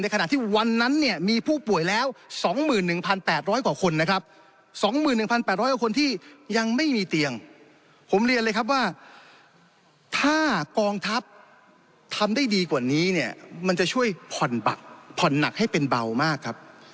ในขณะที่วันนั้นเนี่ยมีผู้ป่วยแล้วสองหมื่นหนึ่งพันแปดร้อยกว่าคนนะครับ